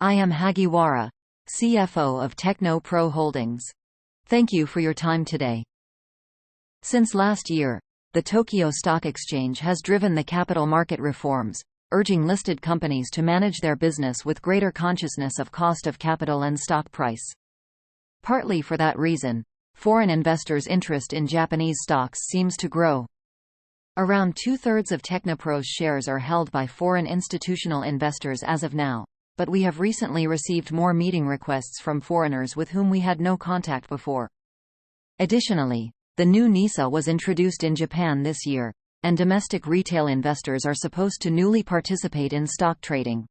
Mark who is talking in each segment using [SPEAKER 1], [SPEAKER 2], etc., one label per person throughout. [SPEAKER 1] I am Hagiwara, CFO of TechnoPro Holdings. Thank you for your time today. Since last year, the Tokyo Stock Exchange has driven the capital market reforms, urging listed companies to manage their business with greater consciousness of cost of capital and stock price. Partly for that reason, foreign investors' interest in Japanese stocks seems to grow. Around two-thirds of TechnoPro's shares are held by foreign institutional investors as of now, but we have recently received more meeting requests from foreigners with whom we had no contact before. Additionally, the new NISA was introduced in Japan this year, and domestic retail investors are supposed to newly participate in stock trading.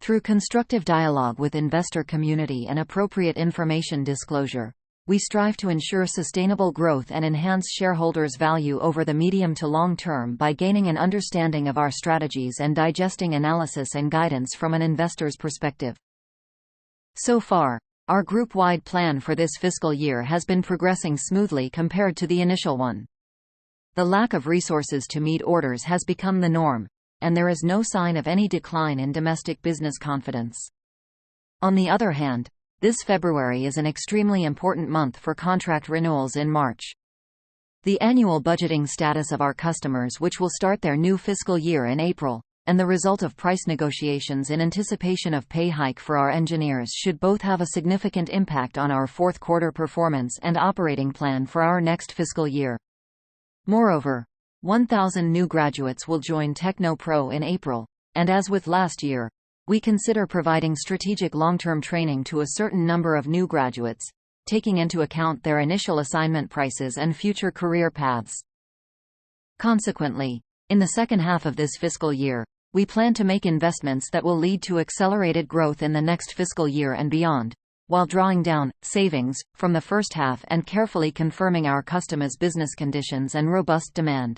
[SPEAKER 1] Through constructive dialogue with investor community and appropriate information disclosure, we strive to ensure sustainable growth and enhance shareholders' value over the medium to long term by gaining an understanding of our strategies and digesting analysis and guidance from an investor's perspective. So far, our group-wide plan for this fiscal year has been progressing smoothly compared to the initial one. The lack of resources to meet orders has become the norm, and there is no sign of any decline in domestic business confidence. On the other hand, this February is an extremely important month for contract renewals in March. The annual budgeting status of our customers, which will start their new fiscal year in April, and the result of price negotiations in anticipation of pay hike for our engineers, should both have a significant impact on our fourth quarter performance and operating plan for our next fiscal year. Moreover, 1,000 new graduates will join TechnoPro in April, and as with last year, we consider providing strategic long-term training to a certain number of new graduates, taking into account their initial assignment prices and future career paths. Consequently, in the second half of this fiscal year, we plan to make investments that will lead to accelerated growth in the next fiscal year and beyond, while drawing down savings from the first half and carefully confirming our customers' business conditions and robust demand.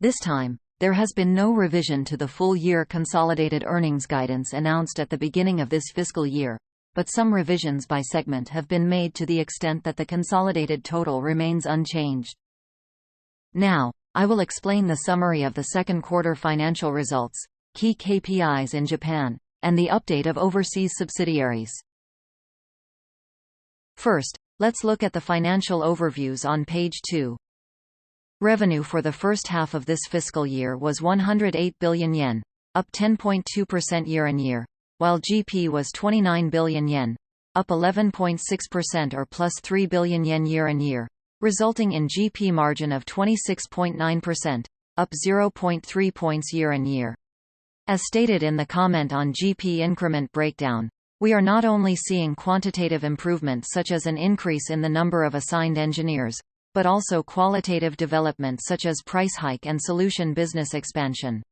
[SPEAKER 1] This time, there has been no revision to the full-year consolidated earnings guidance announced at the beginning of this fiscal year, but some revisions by segment have been made to the extent that the consolidated total remains unchanged. Now, I will explain the summary of the second quarter financial results, key KPIs in Japan, and the update of overseas subsidiaries. First, let's look at the financial overviews on page two. Revenue for the first half of this fiscal year was 108 billion yen, up 10.2% year-on-year, while GP was 29 billion yen, up 11.6% or plus 3 billion yen year-on-year, resulting in GP margin of 26.9%, up 0.3 points year-on-year. As stated in the comment on GP increment breakdown, we are not only seeing quantitative improvement, such as an increase in the number of assigned engineers, but also qualitative development, such as price hike and solution business expansion.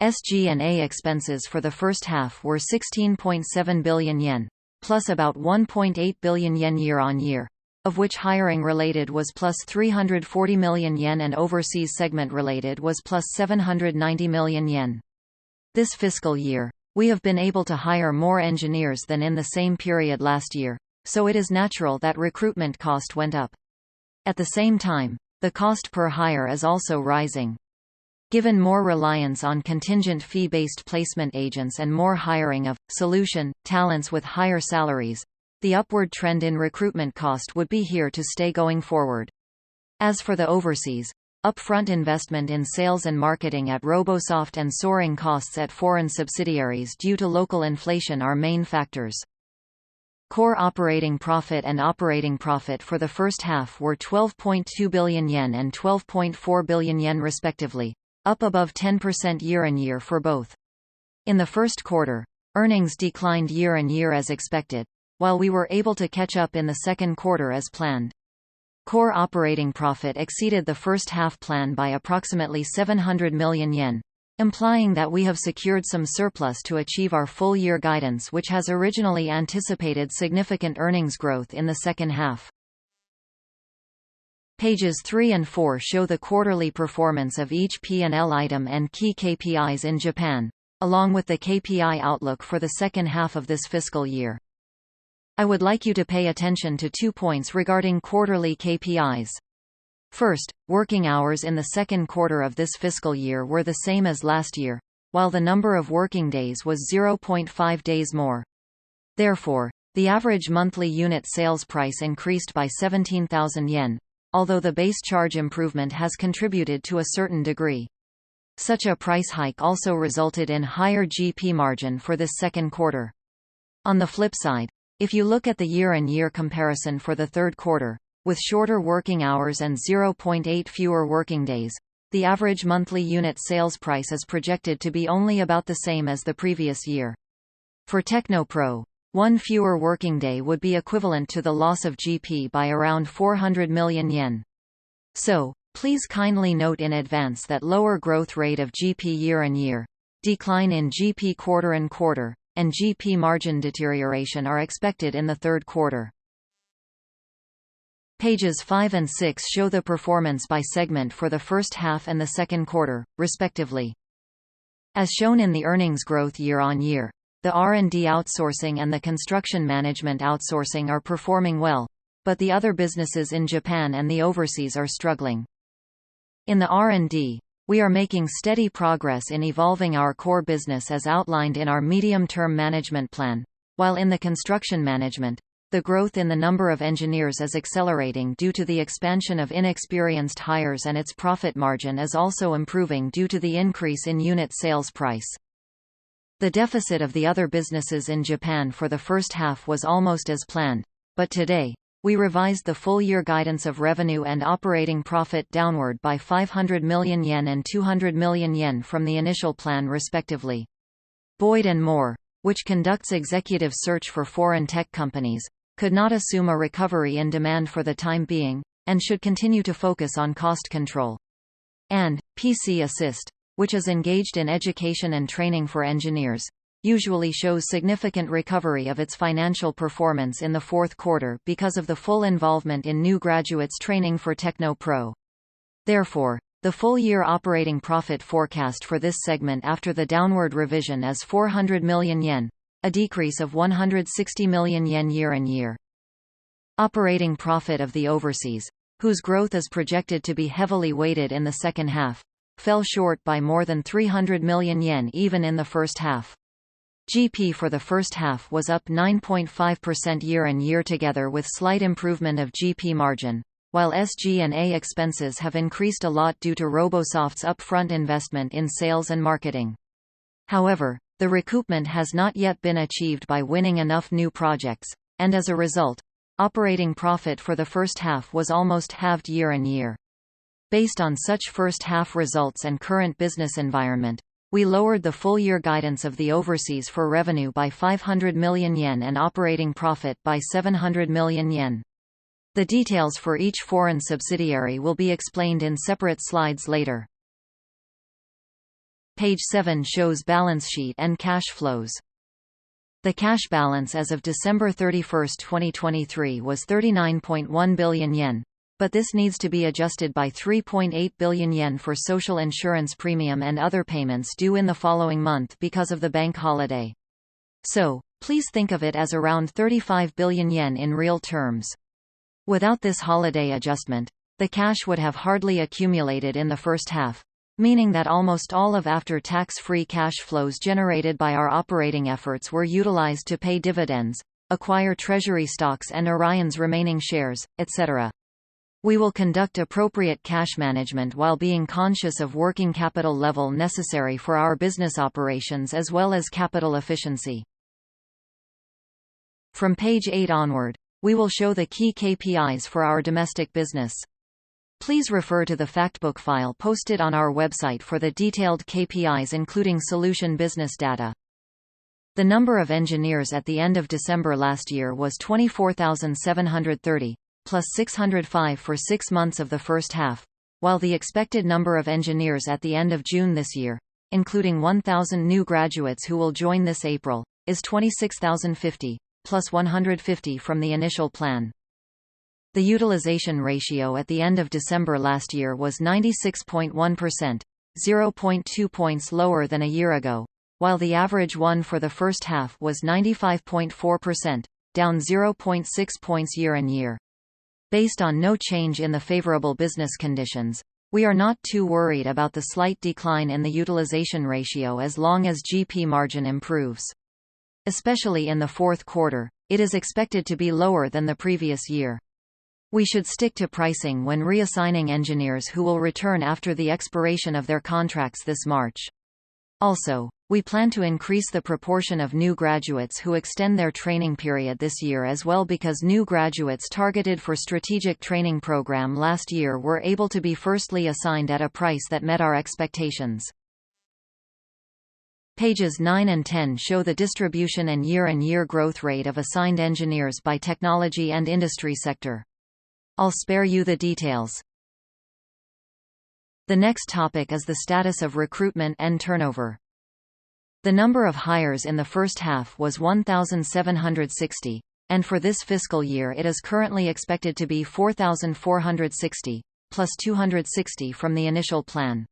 [SPEAKER 1] SG&A expenses for the first half were 16.7 billion yen, plus about 1.8 billion yen year-on-year, of which hiring related was plus 340 million yen, and overseas segment related was plus 790 million yen. This fiscal year, we have been able to hire more engineers than in the same period last year, so it is natural that recruitment cost went up. At the same time, the cost per hire is also rising. Given more reliance on contingent fee-based placement agents and more hiring of solution talents with higher salaries, the upward trend in recruitment cost would be here to stay going forward. As for the overseas, upfront investment in sales and marketing at Robosoft and soaring costs at foreign subsidiaries due to local inflation are main factors. Core operating profit and operating profit for the first half were 12.2 billion yen and 12.4 billion yen, respectively, up above 10% year-on-year for both. In the first quarter, earnings declined year-on-year as expected, while we were able to catch up in the second quarter as planned. Core operating profit exceeded the first half plan by approximately 700 million yen, implying that we have secured some surplus to achieve our full-year guidance, which has originally anticipated significant earnings growth in the second half. Pages 3 and 4 show the quarterly performance of each P&L item and key KPIs in Japan, along with the KPI outlook for the second half of this fiscal year. I would like you to pay attention to two points regarding quarterly KPIs. First, working hours in the second quarter of this fiscal year were the same as last year, while the number of working days was 0.5 days more. Therefore, the average monthly unit sales price increased by 17,000 yen, although the base charge improvement has contributed to a certain degree. Such a price hike also resulted in higher GP margin for this second quarter. On the flip side, if you look at the year-on-year comparison for the third quarter, with shorter working hours and 0.8 fewer working days, the average monthly unit sales price is projected to be only about the same as the previous year. For TechnoPro, one fewer working day would be equivalent to the loss of GP by around 400 million yen. So please kindly note in advance that lower growth rate of GP year-on-year, decline in GP quarter-on-quarter, and GP margin deterioration are expected in the third quarter. Pages 5 and 6 show the performance by segment for the first half and the second quarter, respectively. As shown in the earnings growth year-on-year, the R&D outsourcing and the construction management outsourcing are performing well, but the other businesses in Japan and the overseas are struggling. In the R&D, we are making steady progress in evolving our core business as outlined in our medium-term management plan, while in the construction management, the growth in the number of engineers is accelerating due to the expansion of inexperienced hires, and its profit margin is also improving due to the increase in unit sales price. The deficit of the other businesses in Japan for the first half was almost as planned, but today, we revised the full-year guidance of revenue and operating profit downward by 500 million yen and 200 million yen from the initial plan, respectively. Boyd & Moore, which conducts executive search for foreign tech companies, could not assume a recovery in demand for the time being and should continue to focus on cost control. PC Assist, which is engaged in education and training for engineers, usually shows significant recovery of its financial performance in the fourth quarter because of the full involvement in new graduates training for TechnoPro. Therefore, the full-year operating profit forecast for this segment after the downward revision is 400 million yen, a decrease of 160 million yen year-on-year. Operating profit of the overseas, whose growth is projected to be heavily weighted in the second half, fell short by more than 300 million yen even in the first half. GP for the first half was up 9.5% year-on-year, together with slight improvement of GP margin, while SG&A expenses have increased a lot due to Robosoft's upfront investment in sales and marketing. However, the recoupment has not yet been achieved by winning enough new projects, and as a result, operating profit for the first half was almost halved year-on-year. Based on such first-half results and current business environment, we lowered the full-year guidance of the overseas for revenue by 500 million yen and operating profit by 700 million yen. The details for each foreign subsidiary will be explained in separate slides later. Page 7 shows balance sheet and cash flows. The cash balance as of December 31, 2023, was 39.1 billion yen, but this needs to be adjusted by 3.8 billion yen for social insurance premium and other payments due in the following month because of the bank holiday. So please think of it as around 35 billion yen in real terms. Without this holiday adjustment, the cash would have hardly accumulated in the first half, meaning that almost all of after-tax free cash flows generated by our operating efforts were utilized to pay dividends, acquire treasury stocks and Orion's remaining shares, etc. We will conduct appropriate cash management while being conscious of working capital level necessary for our business operations as well as capital efficiency. From page 8 onward, we will show the key KPIs for our domestic business. Please refer to the fact book file posted on our website for the detailed KPIs, including solution business data. The number of engineers at the end of December last year was 24,730, +605 for six months of the first half, while the expected number of engineers at the end of June this year, including 1,000 new graduates who will join this April, is 26,050, +150 from the initial plan. The utilization ratio at the end of December last year was 96.1%, 0.2 points lower than a year ago, while the average one for the first half was 95.4%, down 0.6 points year-on-year. Based on no change in the favorable business conditions, we are not too worried about the slight decline in the utilization ratio as long as GP margin improves. Especially in the fourth quarter, it is expected to be lower than the previous year. We should stick to pricing when reassigning engineers who will return after the expiration of their contracts this March. Also, we plan to increase the proportion of new graduates who extend their training period this year as well, because new graduates targeted for strategic training program last year were able to be firstly assigned at a price that met our expectations. Pages 9 and 10 show the distribution and year-on-year growth rate of assigned engineers by technology and industry sector. I'll spare you the details. The next topic is the status of recruitment and turnover. The number of hires in the first half was 1,760, and for this fiscal year, it is currently expected to be 4,460, plus 260 from the initial plan.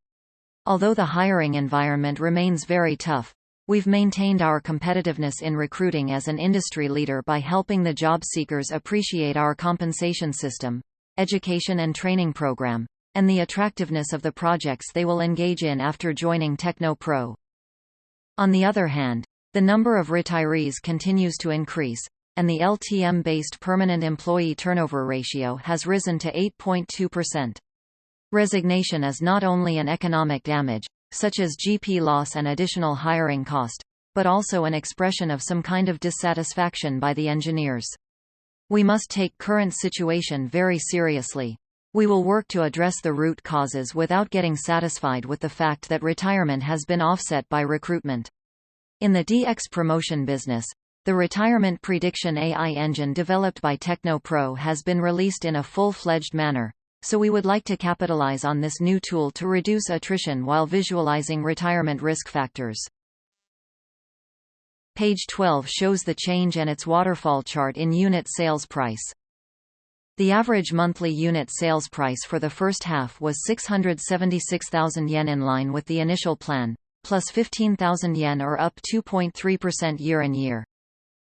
[SPEAKER 1] Although the hiring environment remains very tough, we've maintained our competitiveness in recruiting as an industry leader by helping the job seekers appreciate our compensation system, education and training program, and the attractiveness of the projects they will engage in after joining TechnoPro. On the other hand, the number of retirees continues to increase, and the LTM-based permanent employee turnover ratio has risen to 8.2%. Resignation is not only an economic damage, such as GP loss and additional hiring cost, but also an expression of some kind of dissatisfaction by the engineers. We must take current situation very seriously. We will work to address the root causes without getting satisfied with the fact that retirement has been offset by recruitment. In the DX promotion business, the Retirement Prediction AI engine developed by TechnoPro has been released in a full-fledged manner, so we would like to capitalize on this new tool to reduce attrition while visualizing retirement risk factors. Page 12 shows the change and its waterfall chart in unit sales price. The average monthly unit sales price for the first half was 676,000 yen, in line with the initial plan, +15,000 yen, or up 2.3% year-on-year.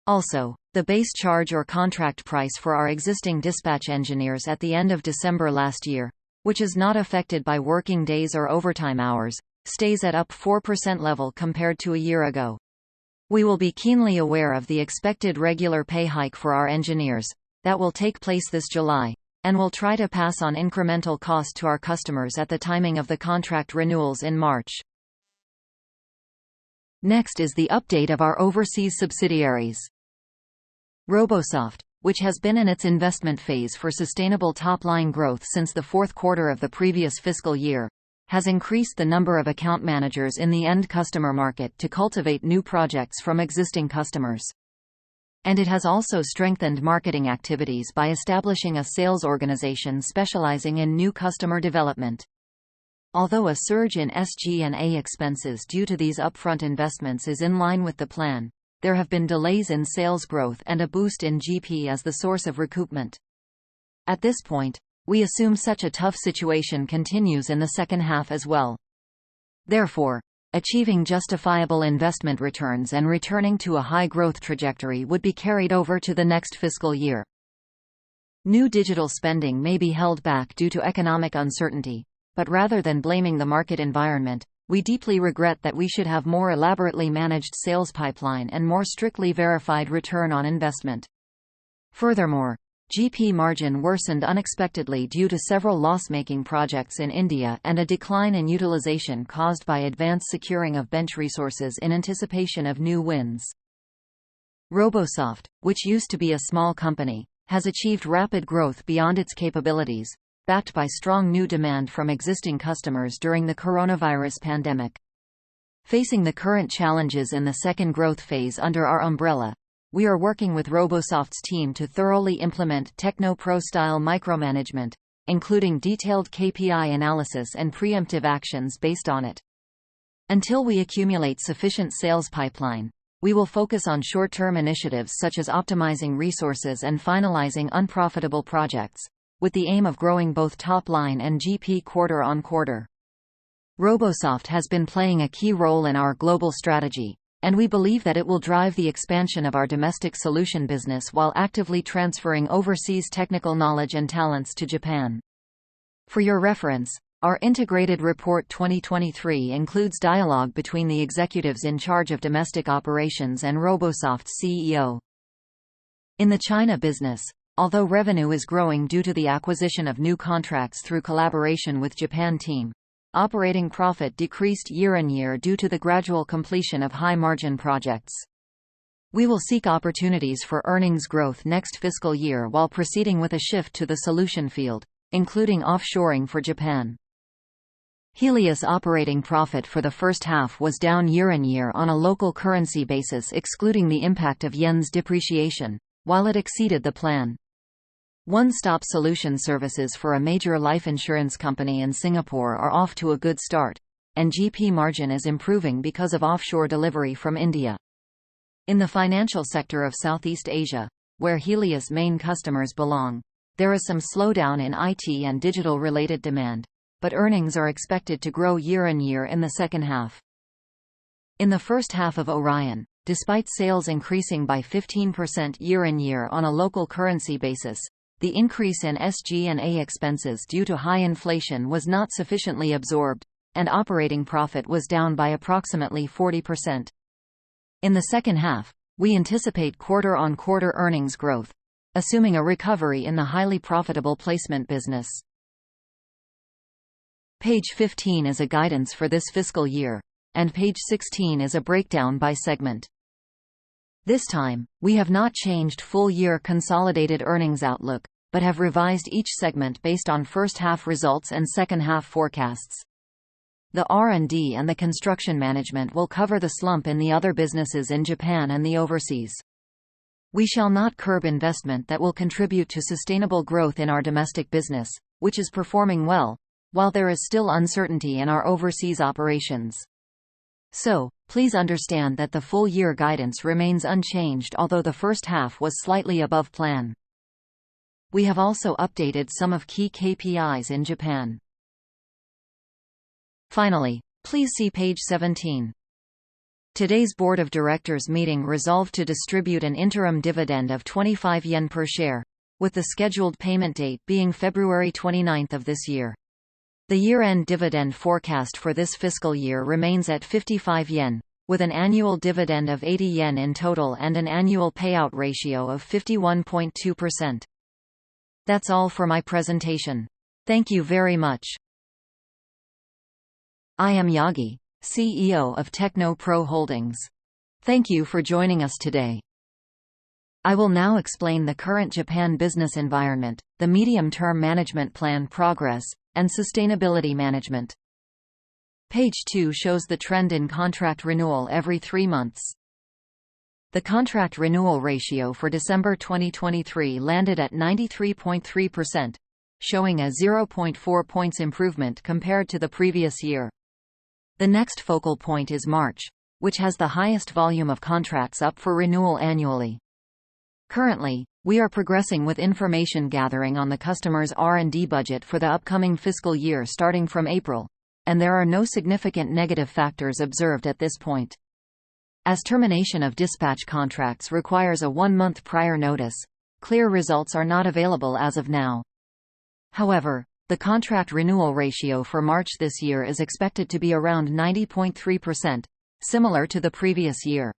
[SPEAKER 1] Also, the base charge or contract price for our existing dispatch engineers at the end of December last year, which is not affected by working days or overtime hours, stays at up 4% level compared to a year ago. We will be keenly aware of the expected regular pay hike for our engineers that will take place this July and will try to pass on incremental cost to our customers at the timing of the contract renewals in March. Next is the update of our overseas subsidiaries. Robosoft, which has been in its investment phase for sustainable top-line growth since the fourth quarter of the previous fiscal year, has increased the number of account managers in the end customer market to cultivate new projects from existing customers. And it has also strengthened marketing activities by establishing a sales organization specializing in new customer development. Although a surge in SG&A expenses due to these upfront investments is in line with the plan, there have been delays in sales growth and a boost in GP as the source of recoupment. At this point, we assume such a tough situation continues in the second half as well. Therefore, achieving justifiable investment returns and returning to a high growth trajectory would be carried over to the next fiscal year. New digital spending may be held back due to economic uncertainty, but rather than blaming the market environment, we deeply regret that we should have more elaborately managed sales pipeline and more strictly verified return on investment. Furthermore, GP margin worsened unexpectedly due to several loss-making projects in India and a decline in utilization caused by advance securing of bench resources in anticipation of new wins. Robosoft, which used to be a small company, has achieved rapid growth beyond its capabilities, backed by strong new demand from existing customers during the coronavirus pandemic. Facing the current challenges in the second growth phase under our umbrella, we are working with Robosoft's team to thoroughly implement TechnoPro-style micromanagement, including detailed KPI analysis and preemptive actions based on it. Until we accumulate sufficient sales pipeline, we will focus on short-term initiatives, such as optimizing resources and finalizing unprofitable projects, with the aim of growing both top line and GP quarter on quarter. Robosoft has been playing a key role in our global strategy, and we believe that it will drive the expansion of our domestic solution business while actively transferring overseas technical knowledge and talents to Japan. For your reference, our integrated report 2023 includes dialogue between the executives in charge of domestic operations and Robosoft's CEO. In the China business, although revenue is growing due to the acquisition of new contracts through collaboration with Japan team, operating profit decreased year-on-year due to the gradual completion of high-margin projects. We will seek opportunities for earnings growth next fiscal year while proceeding with a shift to the solution field, including offshoring for Japan. Helius' operating profit for the first half was down year-on-year on a local currency basis, excluding the impact of yen's depreciation, while it exceeded the plan. One-stop solution services for a major life insurance company in Singapore are off to a good start, and GP margin is improving because of offshore delivery from India. In the financial sector of Southeast Asia, where Helius' main customers belong, there is some slowdown in IT and digital-related demand, but earnings are expected to grow year-on-year in the second half. In the first half of Orion, despite sales increasing by 15% year-on-year on a local currency basis, the increase in SG&A expenses due to high inflation was not sufficiently absorbed, and operating profit was down by approximately 40%. In the second half, we anticipate quarter-on-quarter earnings growth, assuming a recovery in the highly profitable placement business. Page 15 is a guidance for this fiscal year, and page 16 is a breakdown by segment. This time, we have not changed full-year consolidated earnings outlook but have revised each segment based on first-half results and second-half forecasts. The R&D and the construction management will cover the slump in the other businesses in Japan and the overseas. We shall not curb investment that will contribute to sustainable growth in our domestic business, which is performing well, while there is still uncertainty in our overseas operations. So please understand that the full-year guidance remains unchanged, although the first half was slightly above plan. We have also updated some of key KPIs in Japan. Finally, please see page 17. Today's Board of Directors meeting resolved to distribute an interim dividend of 25 yen per share, with the scheduled payment date being February 29th of this year. The year-end dividend forecast for this fiscal year remains at 55 yen, with an annual dividend of 80 yen in total and an annual payout ratio of 51.2%. That's all for my presentation. Thank you very much. I am Yagi, CEO of TechnoPro Holdings. Thank you for joining us today. I will now explain the current Japan business environment, the medium-term management plan progress, and sustainability management. Page 2 shows the trend in contract renewal every three months. The contract renewal ratio for December 2023 landed at 93.3%, showing a 0.4 points improvement compared to the previous year. The next focal point is March, which has the highest volume of contracts up for renewal annually. Currently, we are progressing with information gathering on the customer's R&D budget for the upcoming fiscal year starting from April, and there are no significant negative factors observed at this point. As termination of dispatch contracts requires a one-month prior notice, clear results are not available as of now. However, the contract renewal ratio for March this year is expected to be around 90.3%, similar to the previous year.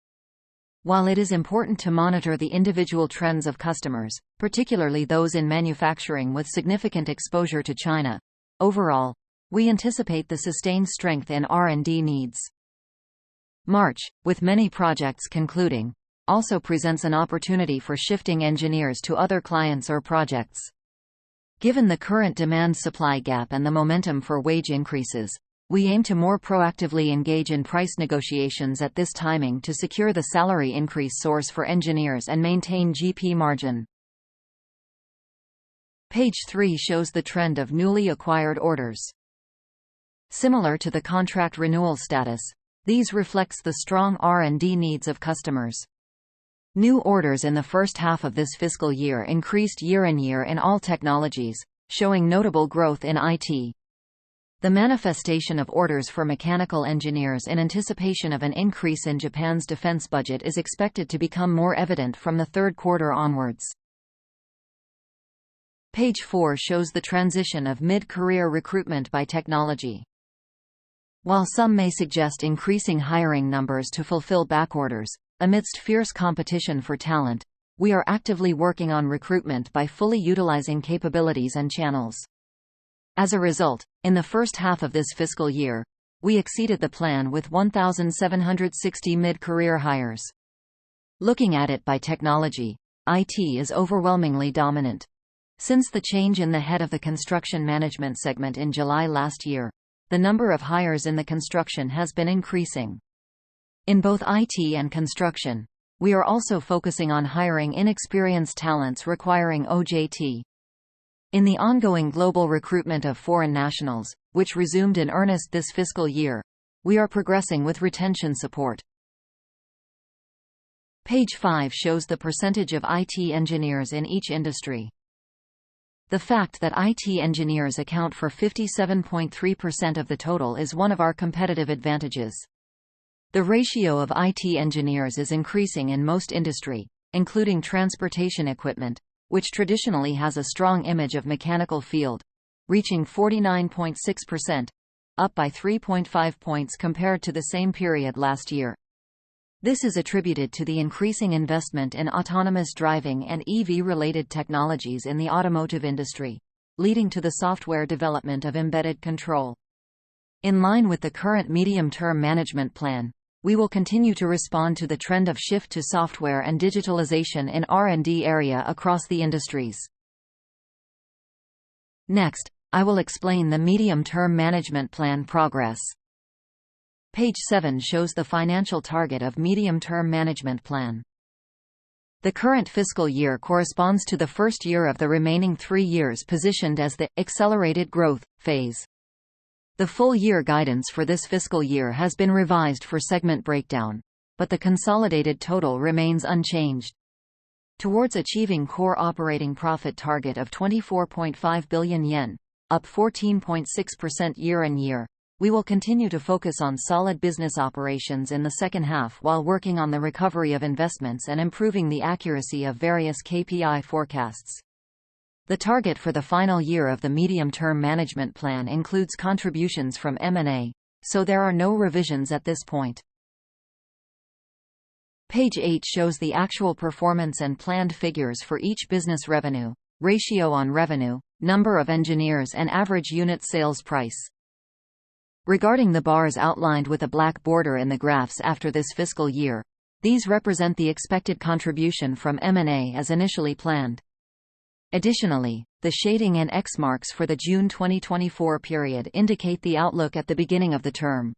[SPEAKER 1] While it is important to monitor the individual trends of customers, particularly those in manufacturing with significant exposure to China, overall, we anticipate the sustained strength in R&D needs. March, with many projects concluding, also presents an opportunity for shifting engineers to other clients or projects. Given the current demand-supply gap and the momentum for wage increases, we aim to more proactively engage in price negotiations at this timing to secure the salary increase source for engineers and maintain GP margin. Page 3 shows the trend of newly acquired orders. Similar to the contract renewal status, these reflects the strong R&D needs of customers. New orders in the first half of this fiscal year increased year-on-year in all technologies, showing notable growth in IT. The manifestation of orders for mechanical engineers in anticipation of an increase in Japan's defense budget is expected to become more evident from the third quarter onwards. Page 4 shows the transition of mid-career recruitment by technology. While some may suggest increasing hiring numbers to fulfill backorders, amidst fierce competition for talent, we are actively working on recruitment by fully utilizing capabilities and channels. As a result, in the first half of this fiscal year, we exceeded the plan with 1,760 mid-career hires. Looking at it by technology, IT is overwhelmingly dominant. Since the change in the head of the construction management segment in July last year, the number of hires in the construction has been increasing. In both IT and construction, we are also focusing on hiring inexperienced talents requiring OJT. In the ongoing global recruitment of foreign nationals, which resumed in earnest this fiscal year, we are progressing with retention support. Page 5 shows the percentage of IT engineers in each industry. The fact that IT engineers account for 57.3% of the total is one of our competitive advantages. The ratio of IT engineers is increasing in most industries, including transportation equipment, which traditionally has a strong image of mechanical field, reaching 49.6%, up by 3.5 points compared to the same period last year. This is attributed to the increasing investment in autonomous driving and EV-related technologies in the automotive industry, leading to the software development of embedded control. In line with the current medium-term management plan, we will continue to respond to the trend of shift to software and digitalization in R&D area across the industries. Next, I will explain the medium-term management plan progress. Page seven shows the financial target of medium-term management plan. The current fiscal year corresponds to the first year of the remaining three years, positioned as the accelerated growth phase. The full year guidance for this fiscal year has been revised for segment breakdown, but the consolidated total remains unchanged. Towards achieving core operating profit target of 24.5 billion yen, up 14.6% year-on-year, we will continue to focus on solid business operations in the second half, while working on the recovery of investments and improving the accuracy of various KPI forecasts. The target for the final year of the medium-term management plan includes contributions from M&A, so there are no revisions at this point. Page 8 shows the actual performance and planned figures for each business revenue, ratio on revenue, number of engineers, and average unit sales price. Regarding the bars outlined with a black border in the graphs after this fiscal year, these represent the expected contribution from M&A as initially planned. Additionally, the shading and X marks for the June 2024 period indicate the outlook at the beginning of the term.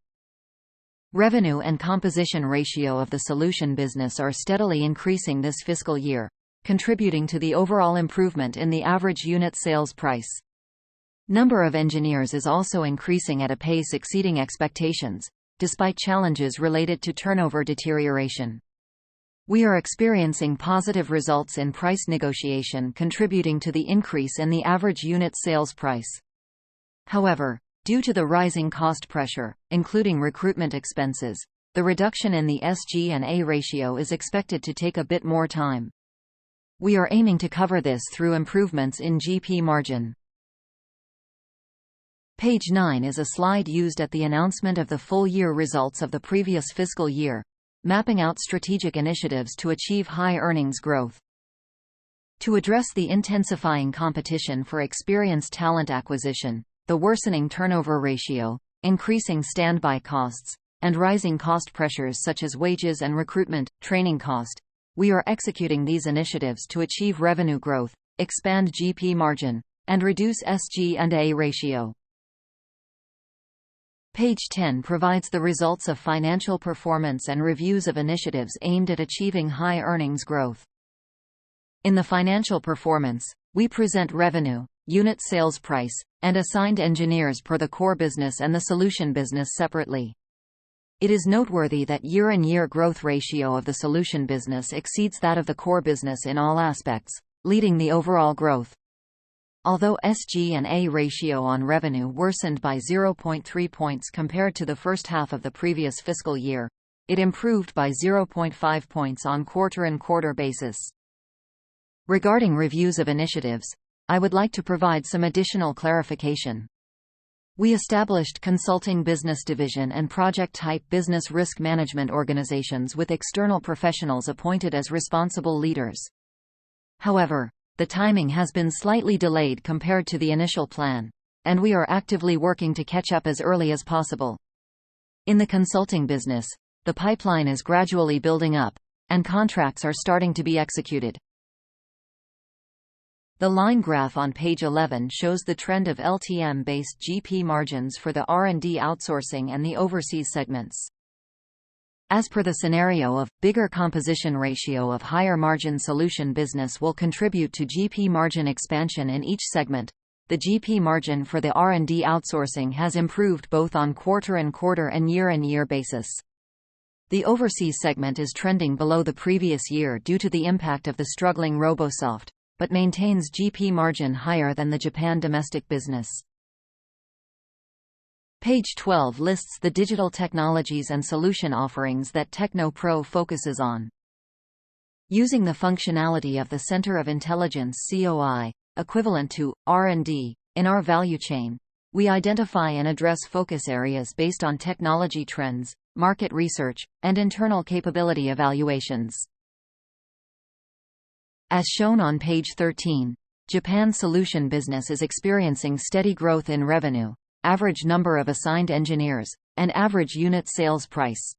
[SPEAKER 1] Revenue and composition ratio of the solution business are steadily increasing this fiscal year, contributing to the overall improvement in the average unit sales price. Number of engineers is also increasing at a pace exceeding expectations, despite challenges related to turnover deterioration. We are experiencing positive results in price negotiation, contributing to the increase in the average unit sales price. However, due to the rising cost pressure, including recruitment expenses, the reduction in the SG&A ratio is expected to take a bit more time. We are aiming to cover this through improvements in GP margin. Page nine is a slide used at the announcement of the full year results of the previous fiscal year, mapping out strategic initiatives to achieve high earnings growth. To address the intensifying competition for experienced talent acquisition, the worsening turnover ratio, increasing standby costs, and rising cost pressures such as wages and recruitment/training cost, we are executing these initiatives to achieve revenue growth, expand GP margin, and reduce SG and A ratio. Page ten provides the results of financial performance and reviews of initiatives aimed at achieving high earnings growth. In the financial performance, we present revenue, unit sales price, and assigned engineers per the core business and the solution business separately.... It is noteworthy that year-over-year growth ratio of the solution business exceeds that of the core business in all aspects, leading the overall growth. Although SG&A ratio on revenue worsened by 0.3 points compared to the first half of the previous fiscal year, it improved by 0.5 points on quarter-on-quarter basis. Regarding reviews of initiatives, I would like to provide some additional clarification. We established consulting business division and project-type business risk management organizations with external professionals appointed as responsible leaders. However, the timing has been slightly delayed compared to the initial plan, and we are actively working to catch up as early as possible. In the consulting business, the pipeline is gradually building up, and contracts are starting to be executed. The line graph on page 11 shows the trend of LTM-based GP margins for the R&D outsourcing and the overseas segments. As per the scenario of, bigger composition ratio of higher margin solution business will contribute to GP margin expansion in each segment, the GP margin for the R&D outsourcing has improved both on quarter-over-quarter and year-over-year basis. The overseas segment is trending below the previous year due to the impact of the struggling Robosoft, but maintains GP margin higher than the Japan domestic business. Page 12 lists the digital technologies and solution offerings that TechnoPro focuses on. Using the functionality of the Center of Intelligence, COI, equivalent to R&D in our value chain, we identify and address focus areas based on technology trends, market research, and internal capability evaluations. As shown on page 13, Japan solution business is experiencing steady growth in revenue, average number of assigned engineers, and average unit sales price.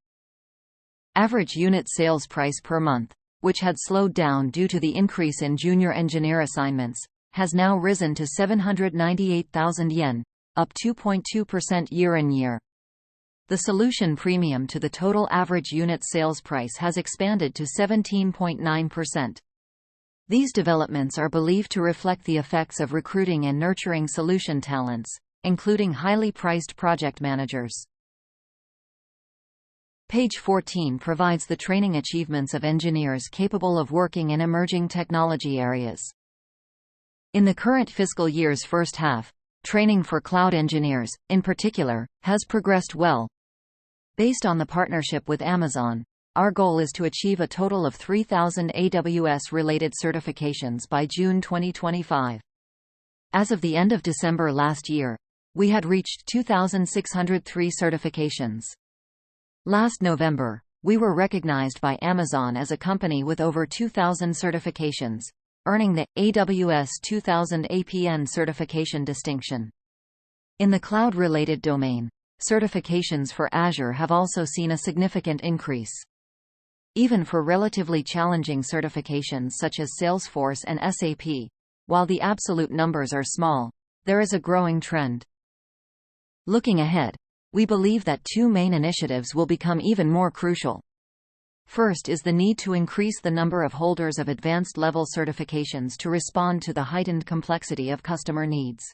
[SPEAKER 1] Average unit sales price per month, which had slowed down due to the increase in junior engineer assignments, has now risen to 798,000 yen, up 2.2% year-on-year. The solution premium to the total average unit sales price has expanded to 17.9%. These developments are believed to reflect the effects of recruiting and nurturing solution talents, including highly priced project managers. Page 14 provides the training achievements of engineers capable of working in emerging technology areas. In the current fiscal year's first half, training for cloud engineers, in particular, has progressed well. Based on the partnership with Amazon, our goal is to achieve a total of 3,000 AWS-related certifications by June 2025. As of the end of December last year, we had reached 2,603 certifications. Last November, we were recognized by Amazon as a company with over 2,000 certifications, earning the AWS 2,000 APN certification distinction. In the cloud-related domain, certifications for Azure have also seen a significant increase. Even for relatively challenging certifications such as Salesforce and SAP, while the absolute numbers are small, there is a growing trend. Looking ahead, we believe that two main initiatives will become even more crucial. First is the need to increase the number of holders of advanced level certifications to respond to the heightened complexity of customer needs.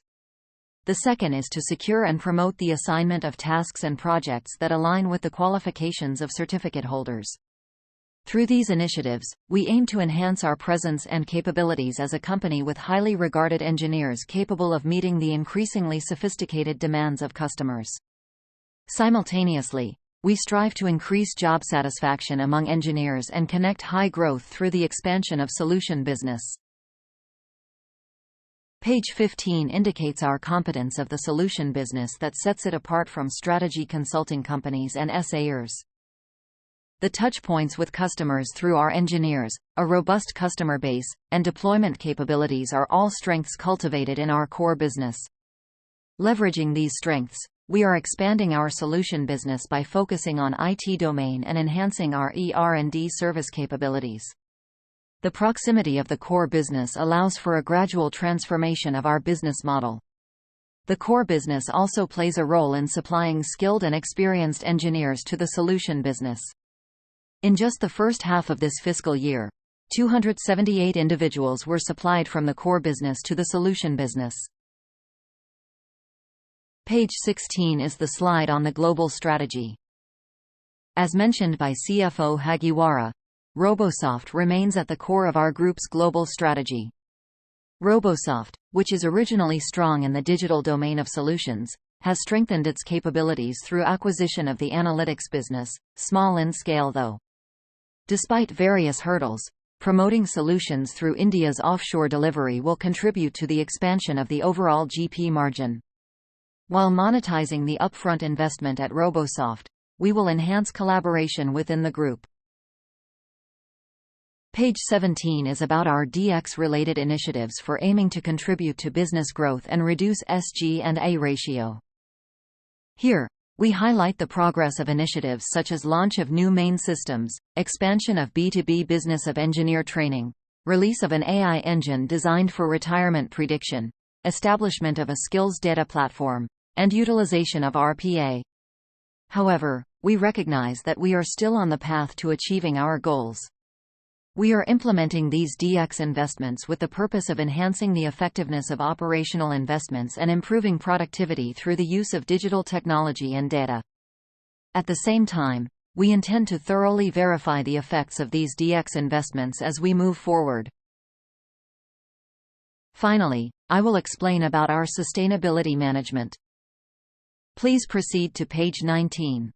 [SPEAKER 1] The second is to secure and promote the assignment of tasks and projects that align with the qualifications of certificate holders. Through these initiatives, we aim to enhance our presence and capabilities as a company with highly regarded engineers capable of meeting the increasingly sophisticated demands of customers. Simultaneously, we strive to increase job satisfaction among engineers and connect high growth through the expansion of solution business. Page 15 indicates our competence of the solution business that sets it apart from strategy consulting companies and SAERs. The touchpoints with customers through our engineers, a robust customer base, and deployment capabilities are all strengths cultivated in our core business. Leveraging these strengths, we are expanding our solution business by focusing on IT domain and enhancing our ER&D service capabilities. The proximity of the core business allows for a gradual transformation of our business model. The core business also plays a role in supplying skilled and experienced engineers to the solution business. In just the first half of this fiscal year, 278 individuals were supplied from the core business to the solution business. Page 16 is the slide on the global strategy. As mentioned by CFO Hagiwara, Robosoft remains at the core of our group's global strategy. Robosoft, which is originally strong in the digital domain of solutions, has strengthened its capabilities through acquisition of the analytics business, small in scale though. Despite various hurdles, promoting solutions through India's offshore delivery will contribute to the expansion of the overall GP margin. While monetizing the upfront investment at Robosoft, we will enhance collaboration within the group. Page 17 is about our DX-related initiatives for aiming to contribute to business growth and reduce SG&A ratio. Here, we highlight the progress of initiatives such as launch of new main systems, expansion of B2B business of engineer training, release of an AI engine designed for retirement prediction, establishment of a skills data platform, and utilization of RPA. However, we recognize that we are still on the path to achieving our goals. We are implementing these DX investments with the purpose of enhancing the effectiveness of operational investments and improving productivity through the use of digital technology and data. At the same time, we intend to thoroughly verify the effects of these DX investments as we move forward. Finally, I will explain about our sustainability management. Please proceed to page 19.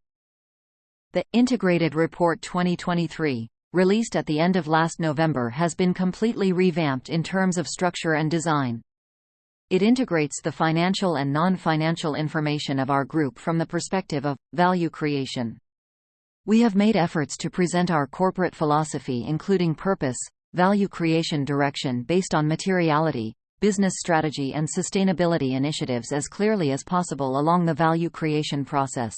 [SPEAKER 1] The Integrated Report 2023, released at the end of last November, has been completely revamped in terms of structure and design. It integrates the financial and non-financial information of our group from the perspective of value creation. We have made efforts to present our corporate philosophy, including purpose, value creation direction based on materiality, business strategy, and sustainability initiatives, as clearly as possible along the value creation process.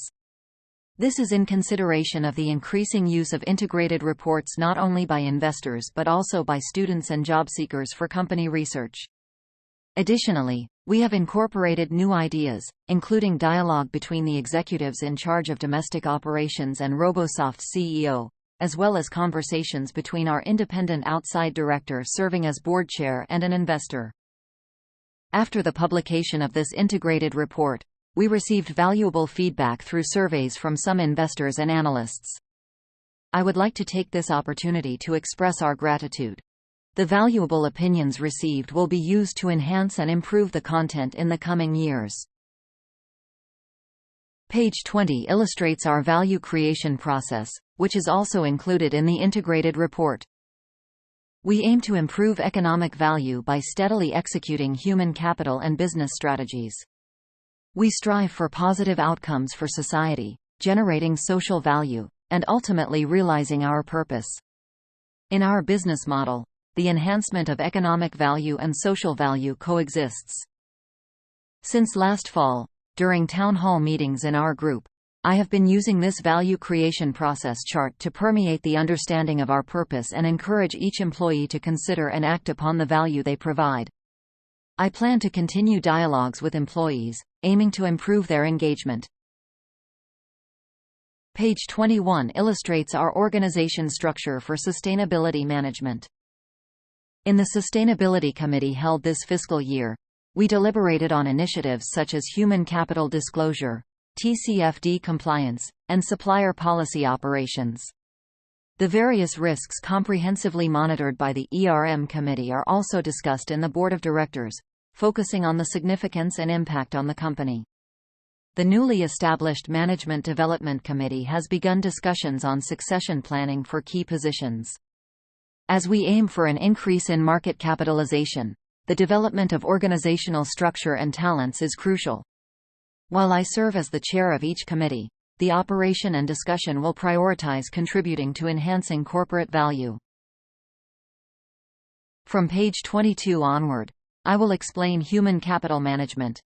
[SPEAKER 1] This is in consideration of the increasing use of integrated reports, not only by investors but also by students and job seekers for company research. Additionally, we have incorporated new ideas, including dialogue between the executives in charge of domestic operations and Robosoft's CEO, as well as conversations between our independent outside director serving as board chair and an investor. After the publication of this integrated report, we received valuable feedback through surveys from some investors and analysts. I would like to take this opportunity to express our gratitude. The valuable opinions received will be used to enhance and improve the content in the coming years. Page 20 illustrates our value creation process, which is also included in the integrated report. We aim to improve economic value by steadily executing human capital and business strategies. We strive for positive outcomes for society, generating social value, and ultimately realizing our purpose. In our business model, the enhancement of economic value and social value coexists. Since last fall, during town hall meetings in our group, I have been using this value creation process chart to permeate the understanding of our purpose and encourage each employee to consider and act upon the value they provide. I plan to continue dialogues with employees, aiming to improve their engagement. Page 21 illustrates our organization structure for sustainability management. In the sustainability committee held this fiscal year, we deliberated on initiatives such as human capital disclosure, TCFD compliance, and supplier policy operations. The various risks comprehensively monitored by the ERM Committee are also discussed in the board of directors, focusing on the significance and impact on the company. The newly established Management Development Committee has begun discussions on succession planning for key positions. As we aim for an increase in market capitalization, the development of organizational structure and talents is crucial. While I serve as the chair of each committee, the operation and discussion will prioritize contributing to enhancing corporate value. From page 22 onward, I will explain human capital management.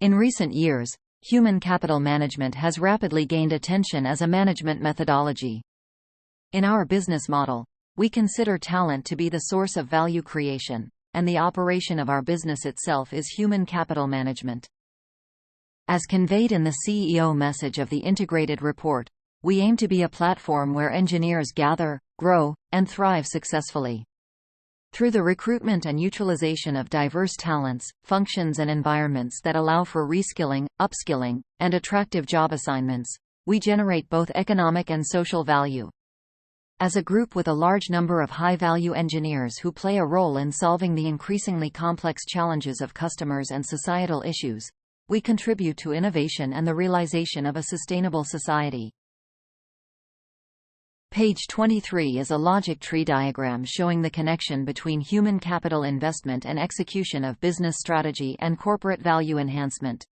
[SPEAKER 1] In recent years, human capital management has rapidly gained attention as a management methodology. In our business model, we consider talent to be the source of value creation, and the operation of our business itself is human capital management. As conveyed in the CEO message of the integrated report, we aim to be a platform where engineers gather, grow, and thrive successfully. Through the recruitment and utilization of diverse talents, functions, and environments that allow for reskilling, upskilling, and attractive job assignments, we generate both economic and social value. As a group with a large number of high-value engineers who play a role in solving the increasingly complex challenges of customers and societal issues, we contribute to innovation and the realization of a sustainable society. Page 23 is a logic tree diagram showing the connection between human capital investment and execution of business strategy and corporate value enhancement.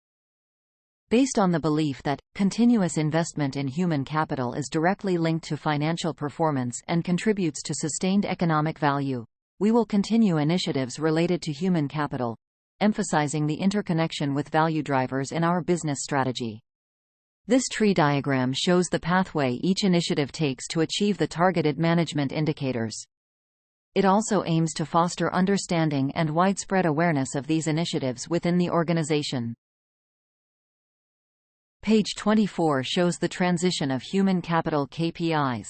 [SPEAKER 1] Based on the belief that continuous investment in human capital is directly linked to financial performance and contributes to sustained economic value, we will continue initiatives related to human capital, emphasizing the interconnection with value drivers in our business strategy. This tree diagram shows the pathway each initiative takes to achieve the targeted management indicators. It also aims to foster understanding and widespread awareness of these initiatives within the organization. Page 24 shows the transition of human capital KPIs.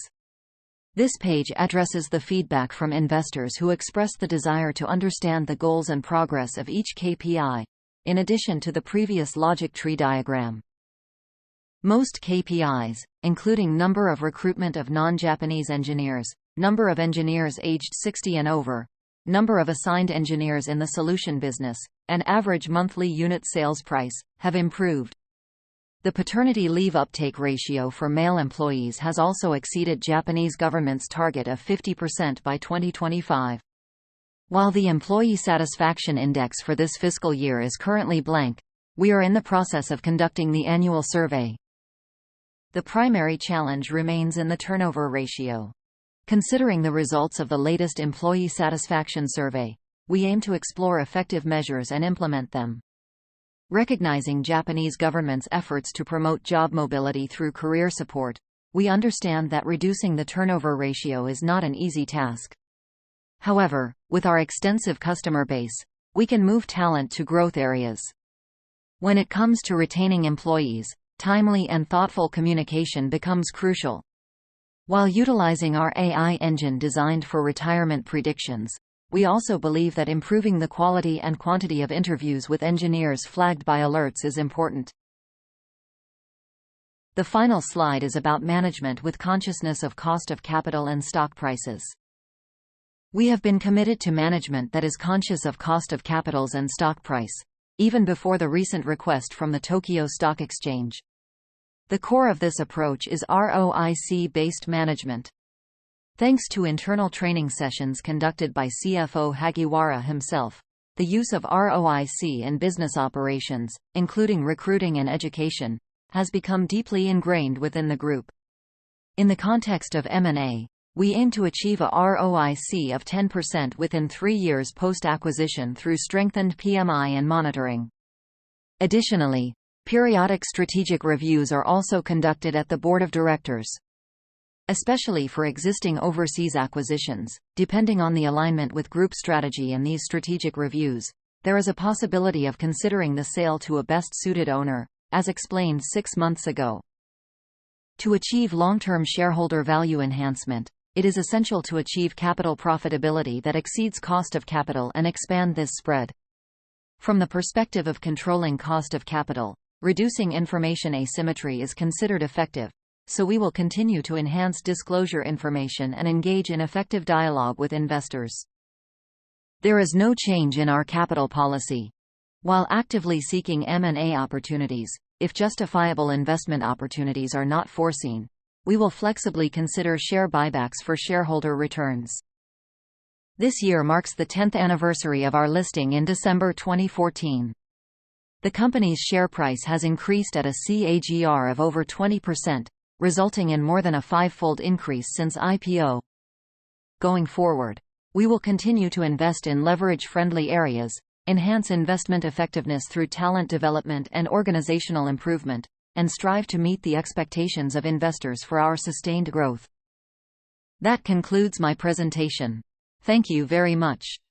[SPEAKER 1] This page addresses the feedback from investors who expressed the desire to understand the goals and progress of each KPI, in addition to the previous logic tree diagram. Most KPIs, including number of recruitment of non-Japanese engineers, number of engineers aged 60 and over, number of assigned engineers in the solution business, and average monthly unit sales price, have improved. The paternity leave uptake ratio for male employees has also exceeded Japanese government's target of 50% by 2025. While the employee satisfaction index for this fiscal year is currently blank, we are in the process of conducting the annual survey. The primary challenge remains in the turnover ratio. Considering the results of the latest employee satisfaction survey, we aim to explore effective measures and implement them. Recognizing Japanese government's efforts to promote job mobility through career support, we understand that reducing the turnover ratio is not an easy task. However, with our extensive customer base, we can move talent to growth areas. When it comes to retaining employees, timely and thoughtful communication becomes crucial. While utilizing our AI engine designed for retirement predictions, we also believe that improving the quality and quantity of interviews with engineers flagged by alerts is important. The final slide is about management with consciousness of cost of capital and stock prices. We have been committed to management that is conscious of cost of capital and stock price, even before the recent request from the Tokyo Stock Exchange. The core of this approach is ROIC-based management. Thanks to internal training sessions conducted by CFO Hagiwara himself, the use of ROIC in business operations, including recruiting and education, has become deeply ingrained within the group. In the context of M&A, we aim to achieve a ROIC of 10% within three years post-acquisition through strengthened PMI and monitoring. Additionally, periodic strategic reviews are also conducted at the board of directors. Especially for existing overseas acquisitions, depending on the alignment with group strategy in these strategic reviews, there is a possibility of considering the sale to a best-suited owner, as explained six months ago. To achieve long-term shareholder value enhancement, it is essential to achieve capital profitability that exceeds cost of capital and expand this spread. From the perspective of controlling cost of capital, reducing information asymmetry is considered effective, so we will continue to enhance disclosure information and engage in effective dialogue with investors. There is no change in our capital policy. While actively seeking M&A opportunities, if justifiable investment opportunities are not foreseen, we will flexibly consider share buybacks for shareholder returns. This year marks the tenth anniversary of our listing in December 2014. The company's share price has increased at a CAGR of over 20%, resulting in more than a 5-fold increase since IPO. Going forward, we will continue to invest in leverage-friendly areas, enhance investment effectiveness through talent development and organizational improvement, and strive to meet the expectations of investors for our sustained growth. That concludes my presentation. Thank you very much!